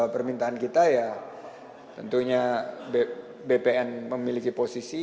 permintaan kita ya tentunya bpn memiliki posisi